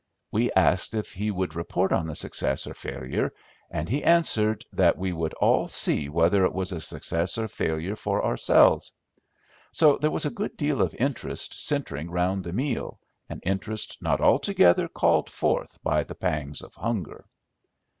We asked if he would report on the success or failure, and he answered that we would all see whether it was a success or failure for ourselves. So there was a good deal of interest centring around the meal, an interest not altogether called forth by the pangs of hunger.